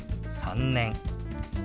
「３年」。